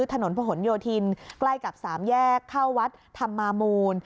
ถนนผนโยธินใกล้กับสามแยกเข้าวัดธรรมามูล